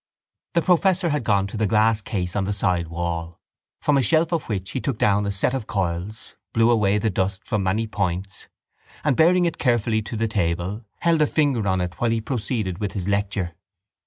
The professor had gone to the glass cases on the sidewall, from a shelf of which he took down a set of coils, blew away the dust from many points and, bearing it carefully to the table, held a finger on it while he proceeded with his lecture.